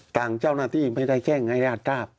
ฐังเจ้าหน้าที่ไม่ได้แข้งงายราชราบ